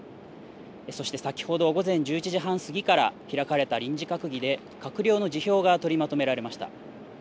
そして先ほど午前１１時半過ぎから開かれれた臨時閣議で閣僚の辞表が取りまとめられました。